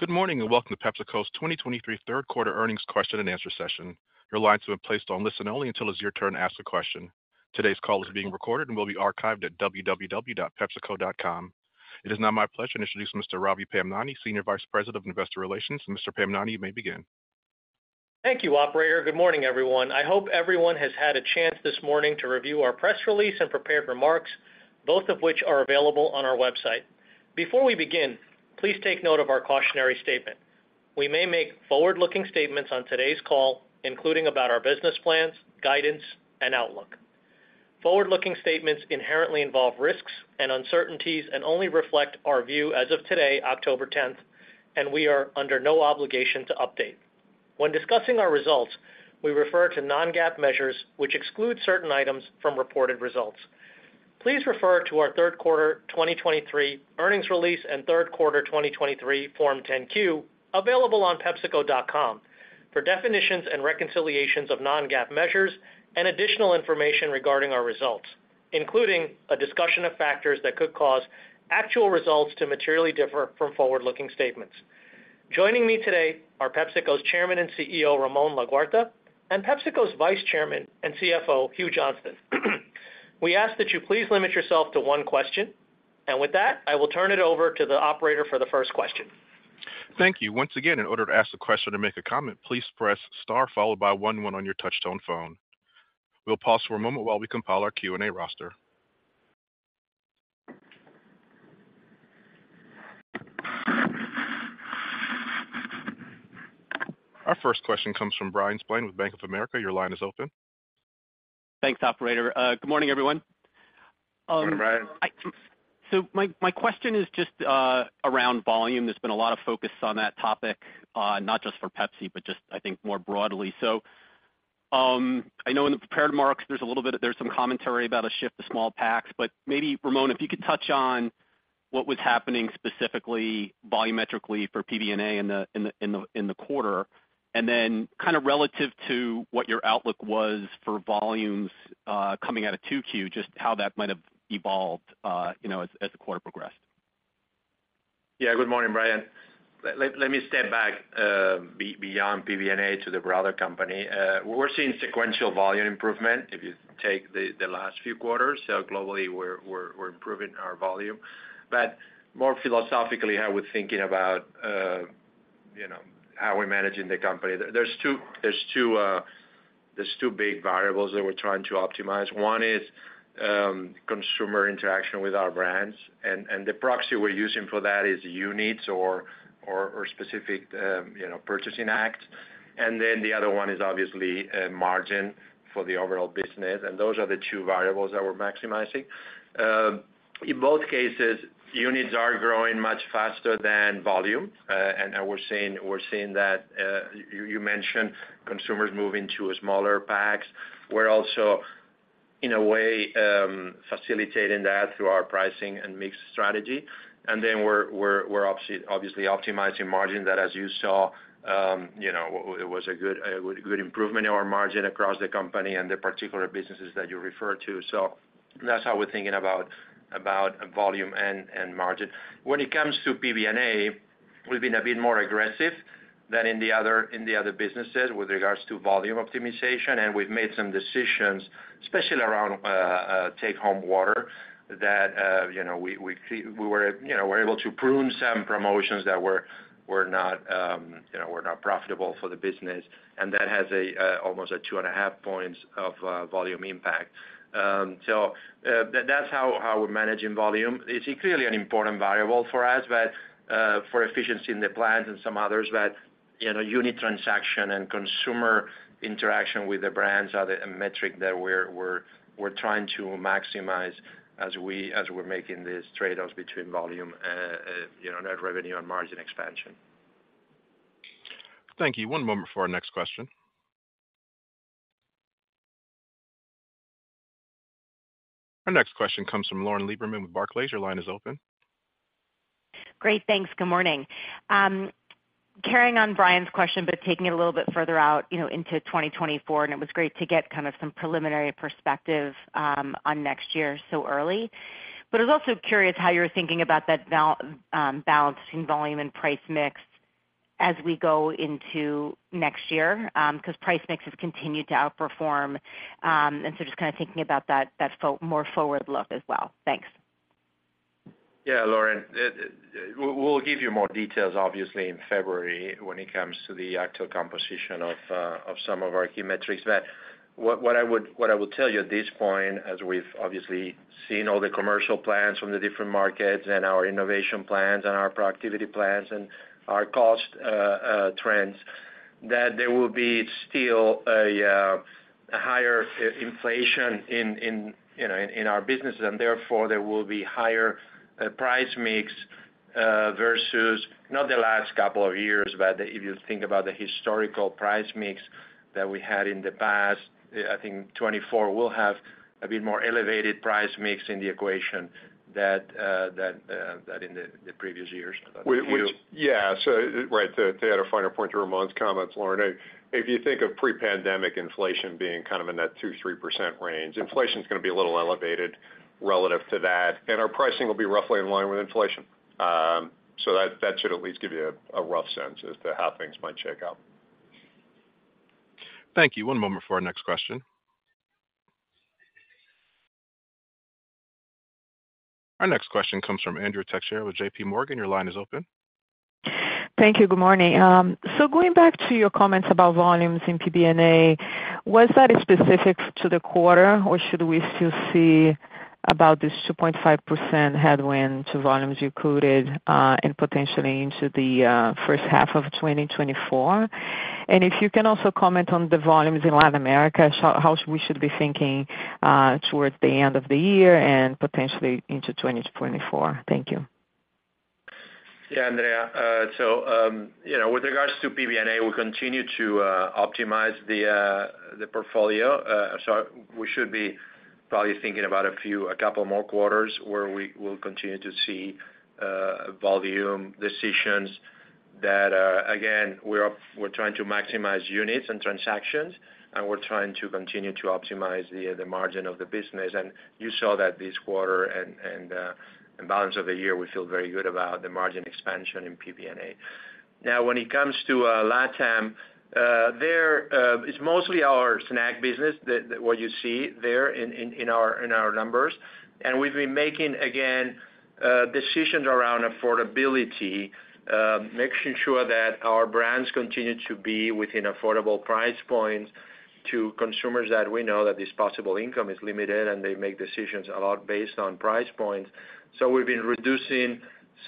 Good morning, and welcome to PepsiCo's 2023 Q3 earnings question and answer session. Your lines have been placed on listen only until it's your turn to ask a question. Today's call is being recorded and will be archived at www.pepsico.com. It is now my pleasure to introduce Mr. Ravi Pamnani, Senior Vice President of Investor Relations. Mr. Pamnani, you may begin. Thank you, operator. Good morning, everyone. I hope everyone has had a chance this morning to review our press release and prepared remarks, both of which are available on our website. Before we begin, please take note of our cautionary statement. We may make forward-looking statements on today's call, including about our business plans, guidance, and outlook. Forward-looking statements inherently involve risks and uncertainties and only reflect our view as of today, October tenth, and we are under no obligation to update. When discussing our results, we refer to Non-GAAP measures, which exclude certain items from reported results. Please refer to our Q3 2023 earnings release and Q3 2023 Form 10-Q, available on PepsiCo.com, for definitions and reconciliations of Non-GAAP measures and additional information regarding our results, including a discussion of factors that could cause actual results to materially differ from forward-looking statements. Joining me today are PepsiCo's Chairman and CEO, Ramon Laguarta, and PepsiCo's Vice Chairman and CFO, Hugh Johnston. We ask that you please limit yourself to one question, and with that, I will turn it over to the operator for the first question. Thank you. Once again, in order to ask a question or make a comment, please press star followed by one on your touchtone phone. We'll pause for a moment while we compile our Q&A roster. Our first question comes from Bryan Spillane with Bank of America. Your line is open. Thanks, operator. Good morning, everyone. Good morning, Bryan. So my question is just around volume. There's been a lot of focus on that topic, not just for Pepsi, but just, I think, more broadly. So, I know in the prepared remarks, there's a little bit... there's some commentary about a shift to small packs, but maybe, Ramon, if you could touch on what was happening specifically volumetrically for PBNA in the quarter, and then kind of relative to what your outlook was for volumes, coming out of 2Q, just how that might have evolved, you know, as the quarter progressed. Yeah. Good morning, Bryan. Let me step back, beyond PBNA to the broader company. We're seeing sequential volume improvement if you take the last few quarters. Globally, we're improving our volume. More philosophically, how we're thinking about, you know, how we're managing the company. There's two, there's two big variables that we're trying to optimize. One is, consumer interaction with our brands, and the proxy we're using for that is units or, you know, specific purchasing acts. The other one is obviously, margin for the overall business, and those are the two variables that we're maximizing. In both cases, units are growing much faster than volume, and we're seeing that, you mentioned consumers moving to smaller packs. We're also, in a way, facilitating that through our pricing and mix strategy. Then we're obviously optimizing margin that, as you saw, you know, it was a good, a good improvement in our margin across the company and the particular businesses that you refer to. That's how we're thinking about, about volume and, and margin. When it comes to PBNA, we've been a bit more aggressive than in the other, in the other businesses with regards to volume optimization, and we've made some decisions, especially around take home water, that, you know, we were, you know, we're able to prune some promotions that were not, you know, were not profitable for the business, and that has a, almost 2.5 points of volume impact. So, that's how we're managing volume. It's clearly an important variable for us, but for efficiency in the plans and some others, but, you know, unit transaction and consumer interaction with the brands are the metric that we're trying to maximize as we're making these trade-offs between volume, you know, net revenue and margin expansion. Thank you. One moment for our next question. Our next question comes from Lauren Lieberman with Barclays. Your line is open. Great. Thanks. Good morning. Carrying on Bryan's question, but taking it a little bit further out, you know, into 2024, and it was great to get kind of some preliminary perspective on next year so early. But I was also curious how you were thinking about that balancing volume and price mix as we go into next year, because price mix has continued to outperform. And so just kind of thinking about that, that more forward look as well. Thanks. Yeah, Lauren, it. We'll give you more details, obviously, in February when it comes to the actual composition of some of our key metrics. But what I will tell you at this point, as we've obviously seen all the commercial plans from the different markets and our innovation plans and our productivity plans and our cost trends, that there will be still a higher inflation in, you know, in our businesses, and therefore there will be higher price mix versus not the last couple of years, but if you think about the historical price mix that we had in the past, I think 2024 will have a bit more elevated price mix in the equation that in the previous years. We- Hugh? Yeah. So, right, to add a final point to Ramon's comments, Lauren, if you think of pre-pandemic inflation being kind of in that 2 to 3% range, inflation is going to be a little elevated relative to that, and our pricing will be roughly in line with inflation. So that should at least give you a rough sense as to how things might shake out.... Thank you. One moment for our next question. Our next question comes from Andrea Teixeira with J.P. Morgan. Your line is open. Thank you. Good morning. So going back to your comments about volumes in PBNA, was that specific to the quarter, or should we still see about this 2.5% headwind to volumes you quoted, and potentially into the H1 of 2024? And if you can also comment on the volumes in Latin America, so how we should be thinking towards the end of the year and potentially into 2024? Thank you. Yeah, Andrea, so, you know, with regards to PBNA, we continue to optimize the portfolio. So we should be probably thinking about a few, a couple more quarters where we will continue to see volume decisions that, again, we're trying to maximize units and transactions, and we're trying to continue to optimize the margin of the business. And you saw that this quarter and the balance of the year, we feel very good about the margin expansion in PBNA. Now, when it comes to LatAm, there, it's mostly our snack business that what you see there in our numbers. We've been making, again, decisions around affordability, making sure that our brands continue to be within affordable price points to consumers, that we know that disposable income is limited, and they make decisions a lot based on price points. We've been reducing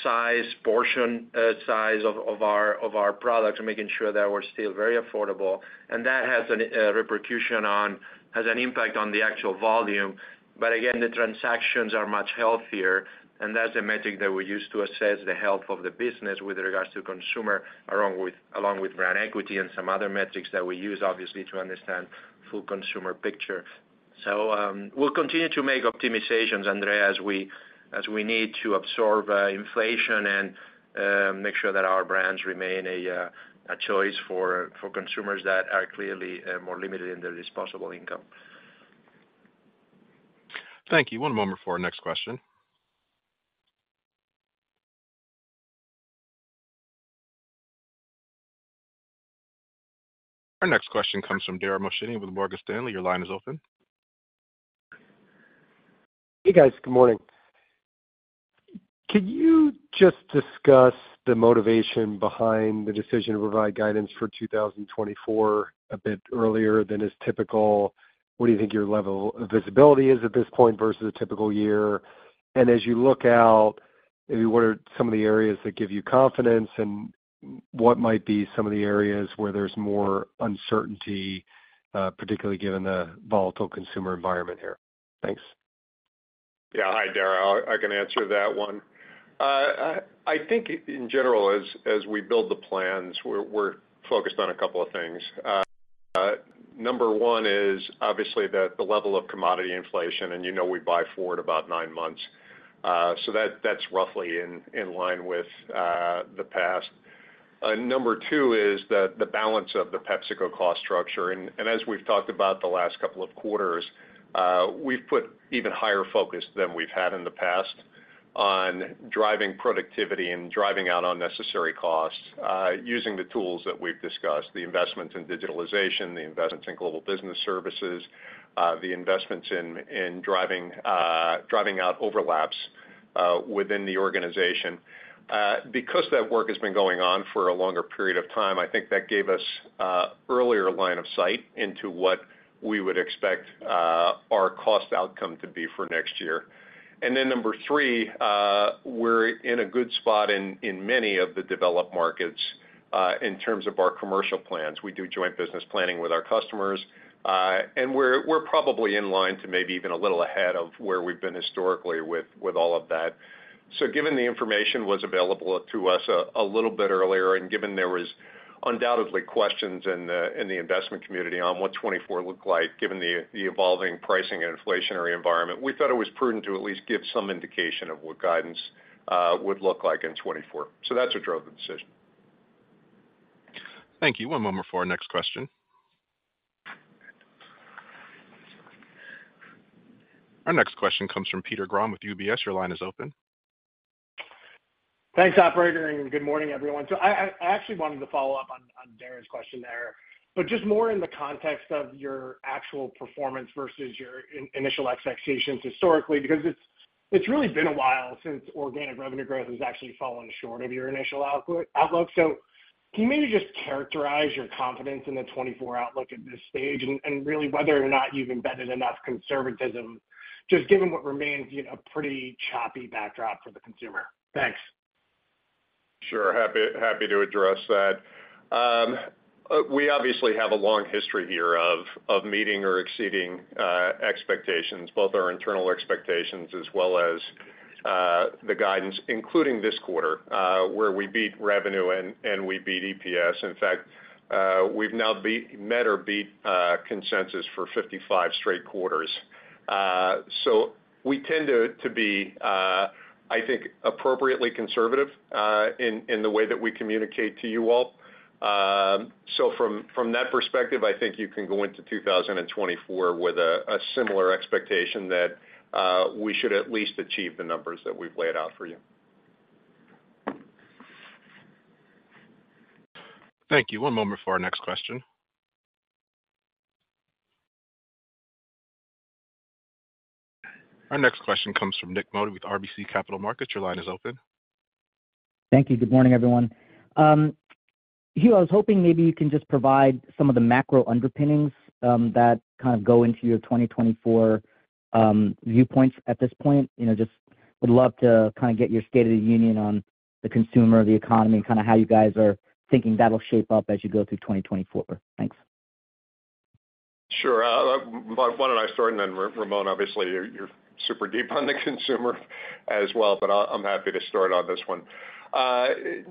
size, portion, size of our products and making sure that we're still very affordable, and that has an repercussion on, has an impact on the actual volume. Again, the transactions are much healthier, and that's a metric that we use to assess the health of the business with regards to consumer, along with brand equity and some other metrics that we use, obviously, to understand full consumer picture. We'll continue to make optimizations, Andrea, as we need to absorb inflation and make sure that our brands remain a choice for consumers that are clearly more limited in their disposable income. Thank you. One moment for our next question. Our next question comes from Dara Mohsenian with Morgan Stanley. Your line is open. Hey, guys. Good morning. Could you just discuss the motivation behind the decision to provide guidance for 2024 a bit earlier than is typical? What do you think your level of visibility is at this point versus a typical year? And as you look out, maybe what are some of the areas that give you confidence, and what might be some of the areas where there's more uncertainty, particularly given the volatile consumer environment here? Thanks. Yeah. Hi, Dara. I can answer that one. I think in general, as we build the plans, we're focused on a couple of things. Number one is obviously the level of commodity inflation, and you know we buy forward about nine months. So that's roughly in line with the past. Number two is the balance of the PepsiCo cost structure. As we've talked about the last couple of quarters, we've put even higher focus than we've had in the past on driving productivity and driving out unnecessary costs, using the tools that we've discussed, the investments in digitalization, the investments in global business services, the investments in driving out overlaps within the organization. Because that work has been going on for a longer period of time, I think that gave us earlier line of sight into what we would expect our cost outcome to be for next year. And then number three, we're in a good spot in many of the developed markets in terms of our commercial plans. We do joint business planning with our customers, and we're probably in line to maybe even a little ahead of where we've been historically with all of that. So given the information was available to us a little bit earlier, and given there was undoubtedly questions in the investment community on what 2024 looked like, given the evolving pricing and inflationary environment, we thought it was prudent to at least give some indication of what guidance would look like in 2024. So that's what drove the decision. Thank you. One moment for our next question. Our next question comes from Peter Grom with UBS. Your line is open. Thanks, operator, and good morning, everyone. I actually wanted to follow up on Dara's question there, but just more in the context of your actual performance versus your initial expectations historically, because it's really been a while since organic revenue growth has actually fallen short of your initial outlook. Can you maybe just characterize your confidence in the 2024 outlook at this stage, and really whether or not you've embedded enough conservatism, just given what remains, you know, a pretty choppy backdrop for the consumer? Thanks. Sure. Happy, happy to address that. We obviously have a long history here of, of meeting or exceeding, expectations, both our internal expectations as well as, the guidance, including this quarter, where we beat revenue and, and we beat EPS. In fact, we've now met or beat, consensus for 55 straight quarters. So, we tend to, to be, I think, appropriately conservative, in the way that we communicate to you all. So, from, from that perspective, I think you can go into 2024 with a, a similar expectation that, we should at least achieve the numbers that we've laid out for you. Thank you. One moment for our next question. Our next question comes from Nick Modi with RBC Capital Markets. Your line is open. Thank you. Good morning, everyone. Hugh, I was hoping maybe you can just provide some of the macro underpinnings that kind of go into your 2024 viewpoints at this point. You know, just would love to kind of get your state of the union on the consumer, the economy, and kind of how you guys are thinking that'll shape up as you go through 2024. Thanks. Sure. Why don't I start, and then Ramon, obviously, you're super deep on the consumer as well, but I'm happy to start on this one.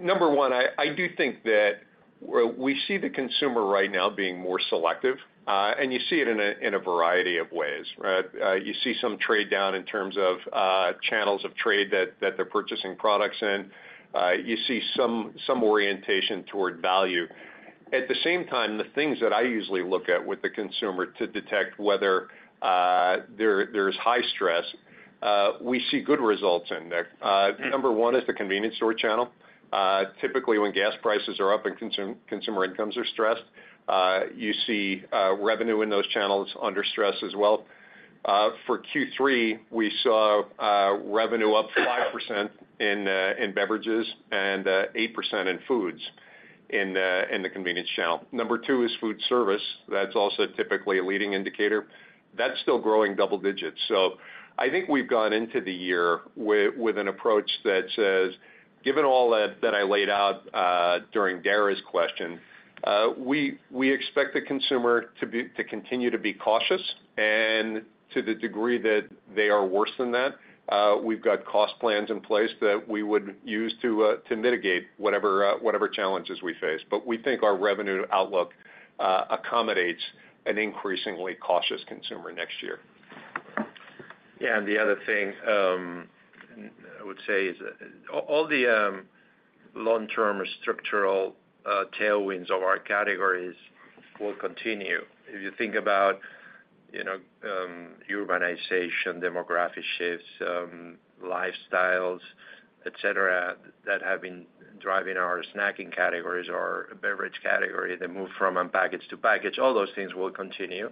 Number one, I do think that we see the consumer right now being more selective, and you see it in a variety of ways, right? You see some trade down in terms of channels of trade that they're purchasing products in. You see some orientation toward value. At the same time, the things that I usually look at with the consumer to detect whether there's high stress, we see good results in there. Number one is the convenience store channel. Typically, when gas prices are up and consumer incomes are stressed, you see revenue in those channels under stress as well. For Q3, we saw revenue up 5% in beverages and 8% in foods in the convenience channel. Number two is food service. That's also typically a leading indicator. That's still growing double digits. So I think we've gone into the year with an approach that says, given all that, that I laid out during Dara's question, we expect the consumer to be... to continue to be cautious, and to the degree that they are worse than that, we've got cost plans in place that we would use to mitigate whatever challenges we face. But we think our revenue outlook accommodates an increasingly cautious consumer next year. Yeah, and the other thing, I would say is that all the long-term structural tailwinds of our categories will continue. If you think about, you know, urbanization, demographic shifts, lifestyles, et cetera, that have been driving our snacking categories or beverage category, they move from unpackaged to packaged. All those things will continue,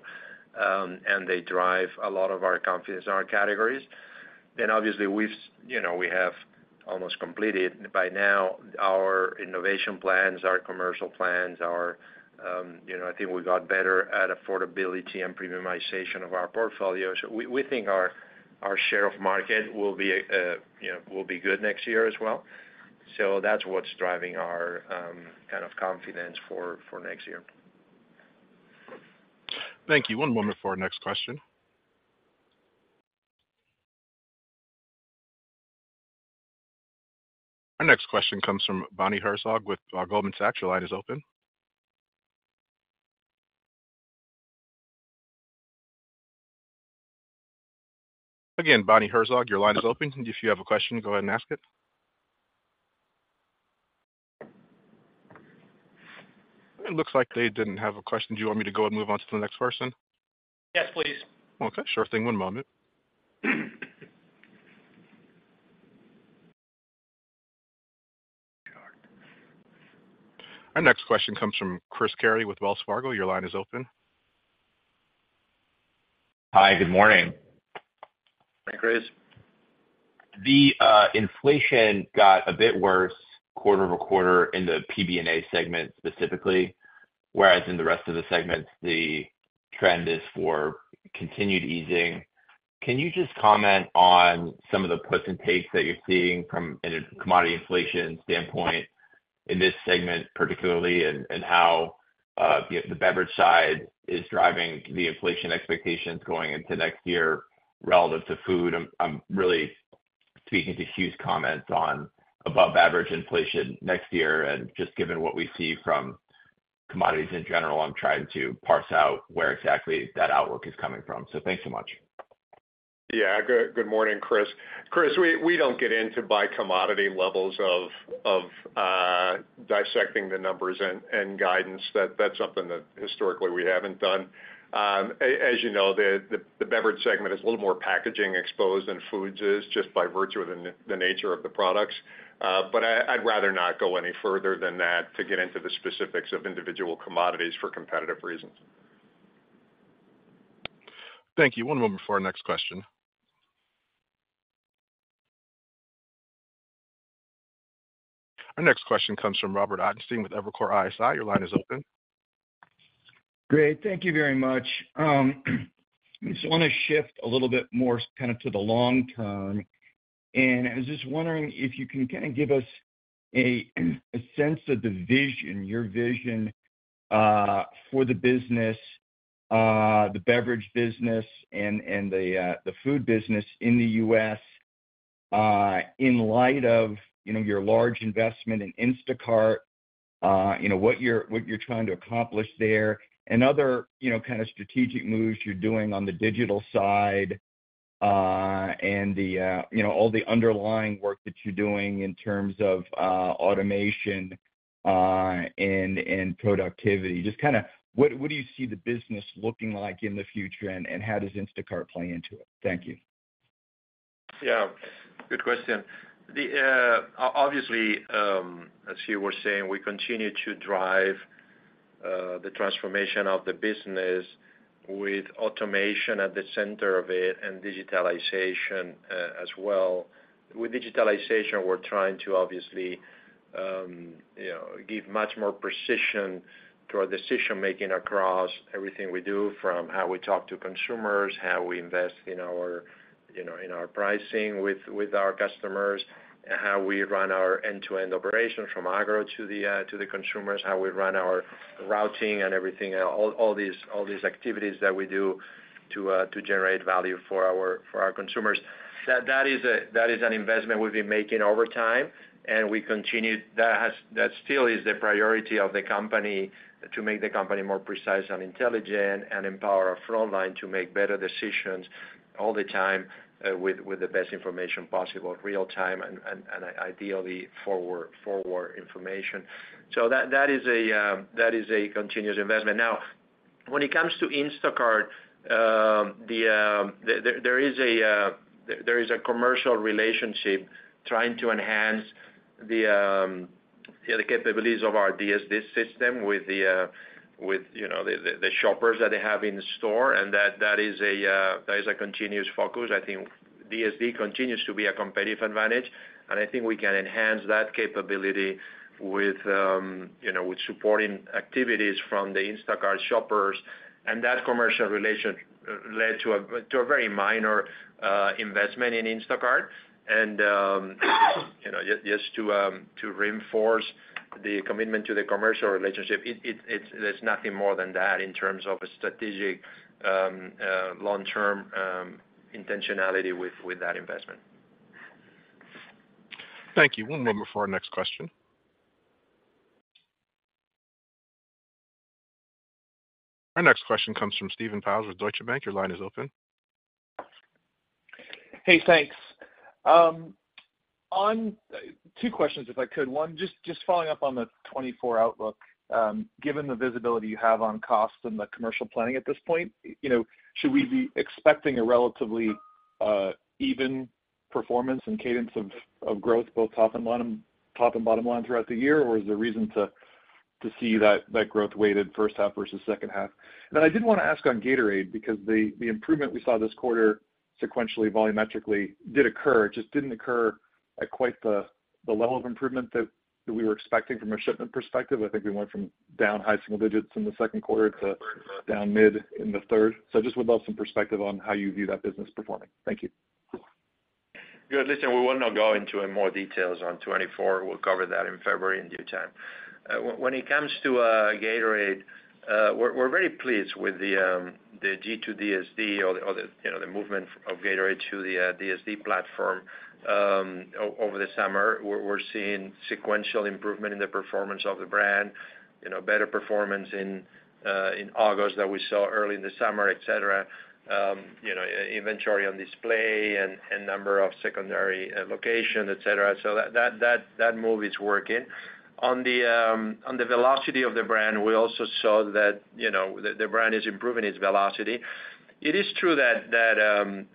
and they drive a lot of our confidence in our categories. Then obviously, we've, you know, we have almost completed by now our innovation plans, our commercial plans, our, you know, I think we got better at affordability and premiumization of our portfolio. So we, we think our, our share of market will be, you know, will be good next year as well. So that's what's driving our, kind of confidence for, for next year. Thank you. One moment for our next question. Our next question comes from Bonnie Herzog with Goldman Sachs. Your line is open. Again, Bonnie Herzog, your line is open. If you have a question, go ahead and ask it. It looks like they didn't have a question. Do you want me to go and move on to the next person? Yes, please. Okay, sure thing. One moment. Our next question comes from Chris Carey with Wells Fargo. Your line is open. Hi, good morning. Hi, Chris. The inflation got a bit worse quarter over quarter in the PBNA segment specifically, whereas in the rest of the segments, the trend is for continued easing. Can you just comment on some of the puts and takes that you're seeing from a commodity inflation standpoint in this segment, particularly, and how the beverage side is driving the inflation expectations going into next year relative to food? I'm really speaking to Hugh's comments on above-average inflation next year, and just given what we see from commodities in general, I'm trying to parse out where exactly that outlook is coming from. So thanks so much. Yeah, good, good morning, Chris. Chris, we don't get into by commodity levels of dissecting the numbers and guidance. That's something that historically we haven't done. As you know, the beverage segment is a little more packaging exposed than foods is, just by virtue of the nature of the products. But I, I'd rather not go any further than that to get into the specifics of individual commodities for competitive reasons. Thank you. One moment before our next question. Our next question comes from Robert Ottenstein with Evercore ISI. Your line is open. Great. Thank you very much. Just wanna shift a little bit more kind of to the long term, and I was just wondering if you can kinda give us a sense of the vision, your vision, for the business, the beverage business and the food business in the U.S., in light of, you know, your large investment in Instacart, you know, what you're trying to accomplish there and other, you know, kind of strategic moves you're doing on the digital side, and you know, all the underlying work that you're doing in terms of automation and productivity. Just kinda what do you see the business looking like in the future, and how does Instacart play into it? Thank you.... Yeah, good question. The obviously, as you were saying, we continue to drive the transformation of the business with automation at the center of it and digitalization, as well. With digitalization, we're trying to obviously, you know, give much more precision to our decision making across everything we do, from how we talk to consumers, how we invest in our, you know, in our pricing with our customers, and how we run our end-to-end operations from agro to the consumers, how we run our routing and everything, all these activities that we do to generate value for our consumers. That is an investment we've been making over time, and we continue... That still is the priority of the company, to make the company more precise and intelligent and empower our frontline to make better decisions all the time with the best information possible, real time and ideally forward information. So that is a continuous investment. Now, when it comes to Instacart, there is a commercial relationship trying to enhance the capabilities of our DSD system with, you know, the shoppers that they have in store, and that is a continuous focus. I think DSD continues to be a competitive advantage, and I think we can enhance that capability with, you know, with supporting activities from the Instacart shoppers. And that commercial relation led to a very minor investment in Instacart. And, you know, just to reinforce the commitment to the commercial relationship, there's nothing more than that in terms of a strategic long-term intentionality with that investment. Thank you. One moment for our next question. Our next question comes from Steve Powers with Deutsche Bank. Your line is open. Hey, thanks. On... Two questions, if I could. One, just, just following up on the 2024 outlook. Given the visibility you have on costs and the commercial planning at this point, you know, should we be expecting a relatively, you know, even performance and cadence of, of growth, both top and bottom, top and bottom line throughout the year? Is there a reason to, to see that, that growth weighted H1 versus H2? I did want to ask on Gatorade, because the, the improvement we saw this quarter, sequentially, volumetrically, did occur, it just didn't occur at quite the, the level of improvement that, that we were expecting from a shipment perspective. I think we went from down high single digits in the Q2 to down mid in the third. Just would love some perspective on how you view that business performing. Thank you. Good. Listen, we will not go into more details on 2024. We'll cover that in February in due time. When it comes to Gatorade, we're very pleased with the G2 DSD or the, you know, the movement of Gatorade to the DSD platform over the summer. We're seeing sequential improvement in the performance of the brand, you know, better performance in August than we saw early in the summer, et cetera, you know, inventory on display and number of secondary location, et cetera. So that move is working. On the velocity of the brand, we also saw that, you know, the brand is improving its velocity. It is true that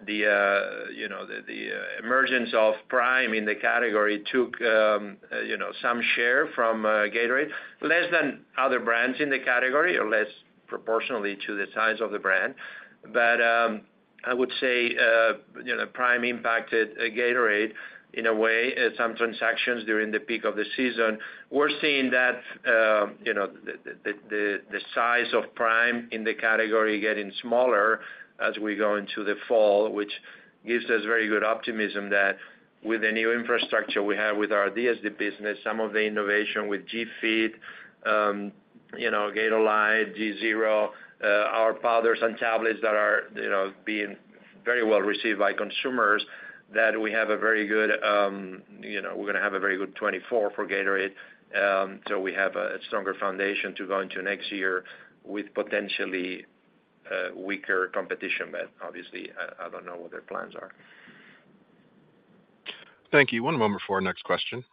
you know the emergence of Prime in the category took you know some share from Gatorade, less than other brands in the category or less proportionally to the size of the brand. But I would say you know Prime impacted Gatorade in a way at some transactions during the peak of the season. We're seeing that, you know, the size of Prime in the category getting smaller as we go into the fall, which gives us very good optimism that with the new infrastructure we have with our DSD business, some of the innovation with G Fit, you know, Gatorlyte, G Zero, our powders and tablets that are, you know, being very well received by consumers, that we have a very good, you know, we're gonna have a very good 2024 for Gatorade. So we have a stronger foundation to go into next year with potentially, weaker competition. But obviously, I don't know what their plans are. Thank you. One moment for our next question.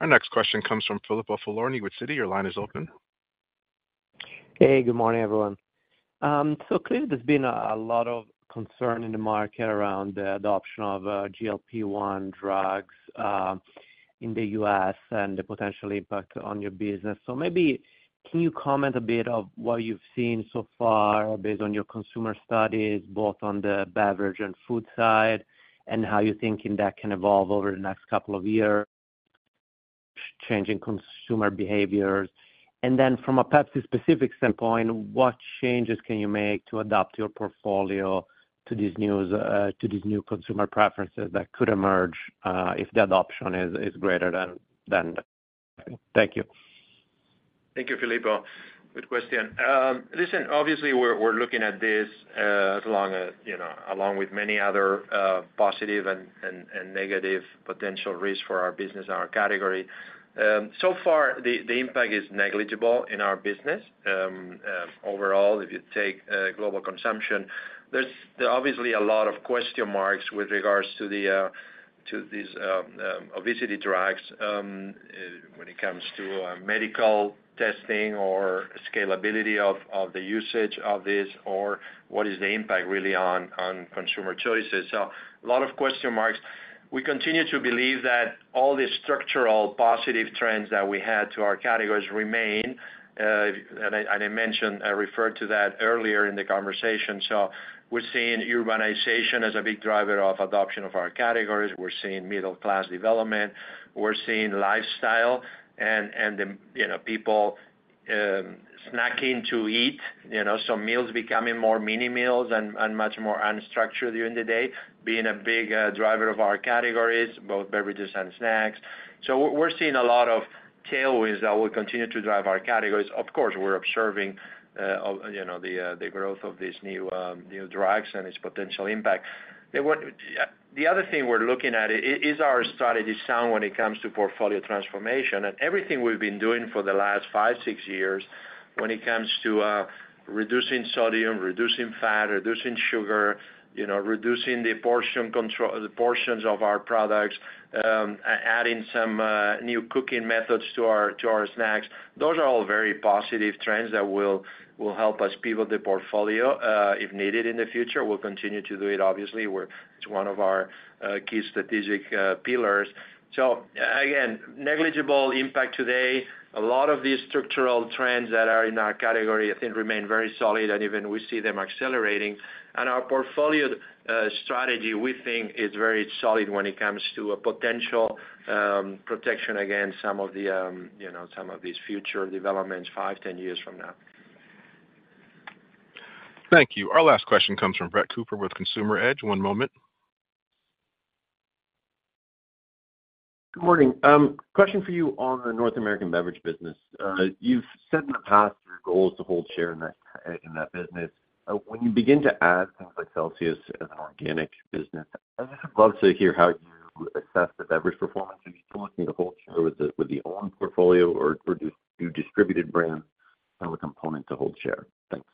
Our next question comes from Filippo Falorni with Citi. Your line is open. Hey, good morning, everyone. Clearly, there's been a lot of concern in the market around the adoption of GLP-1 drugs in the U.S. and the potential impact on your business. Maybe can you comment a bit on what you've seen so far based on your consumer studies, both on the beverage and food side, and how you're thinking that can evolve over the next couple of years, changing consumer behaviors? From a PepsiCo specific standpoint, what changes can you make to adapt your portfolio to these new consumer preferences that could emerge if the adoption is greater than? Thank you. Thank you, Filippo. Good question. Listen, obviously, we're looking at this, you know, along with many other positive and negative potential risks for our business and our category. So far, the impact is negligible in our business. Overall, if you take global consumption, there's obviously a lot of question marks with regards to these obesity drugs, when it comes to medical testing or scalability of the usage of this, or what is the impact really on consumer choices? So a lot of question marks. We continue to believe that all the structural positive trends that we had to our categories remain, and I mentioned, I referred to that earlier in the conversation. So we're seeing urbanization as a big driver of adoption of our categories. We're seeing middle class development, we're seeing lifestyle and the, you know, people snacking to eat, you know, so meals becoming more mini meals and much more unstructured during the day, being a big driver of our categories, both beverages and snacks. So we're seeing a lot of tailwinds that will continue to drive our categories. Of course, we're observing, you know, the growth of these new drugs and its potential impact. The other thing we're looking at is our strategy sound when it comes to portfolio transformation? Everything we've been doing for the last 5, 6 years when it comes to reducing sodium, reducing fat, reducing sugar, you know, reducing the portion control- the portions of our products, adding some new cooking methods to our snacks, those are all very positive trends that will help us pivot the portfolio if needed in the future. We'll continue to do it obviously, it's one of our key strategic pillars. So again, negligible impact today. A lot of these structural trends that are in our category, I think, remain very solid and even we see them accelerating. And our portfolio strategy, we think, is very solid when it comes to a potential protection against some of the, you know, some of these future developments 5, 10 years from now. Thank you. Our last question comes from Brett Cooper with Consumer Edge. One moment. Good morning. Question for you on the North American beverage business. You've said in the past, your goal is to hold share in that business. When you begin to add things like Celsius as an organic business, I'd just love to hear how you assess the beverage performance. If you're looking to hold share with the own portfolio or do distributed brands have a component to hold share? Thanks.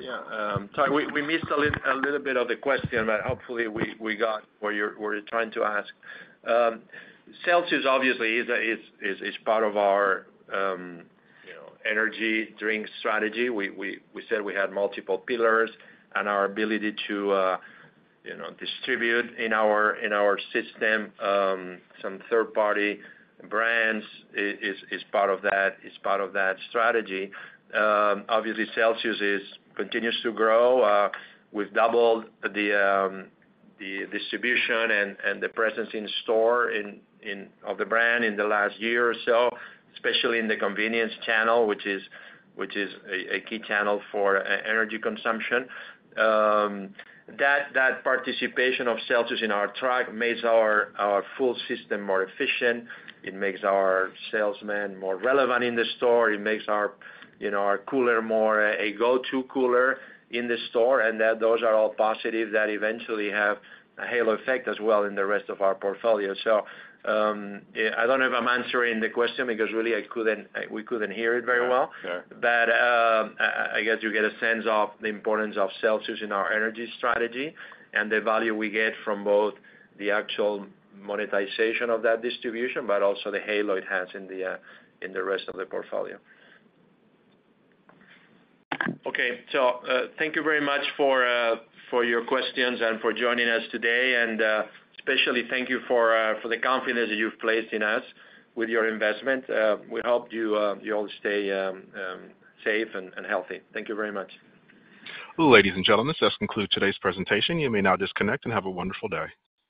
Yeah, sorry, we missed a little bit of the question, but hopefully we got what you're trying to ask. Celsius obviously is part of our, you know, energy drink strategy. We said we had multiple pillars, and our ability to, you know, distribute in our system, some third-party brands is part of that strategy. Obviously, Celsius continues to grow. We've doubled the distribution and the presence in store of the brand in the last year or so, especially in the convenience channel, which is a key channel for energy consumption. That participation of Celsius in our track makes our full system more efficient. It makes our salesman more relevant in the store. It makes our, you know, our cooler more a go-to cooler in the store, and that those are all positive that eventually have a halo effect as well in the rest of our portfolio. So, yeah, I don't know if I'm answering the question because really, I couldn't, we couldn't hear it very well. Sure. But I guess you get a sense of the importance of Celsius in our energy strategy and the value we get from both the actual monetization of that distribution, but also the halo it has in the rest of the portfolio. Okay, so thank you very much for your questions and for joining us today. And especially thank you for the confidence you've placed in us with your investment. We hope you all stay safe and healthy. Thank you very much. Ladies and gentlemen, this concludes today's presentation. You may now disconnect and have a wonderful day.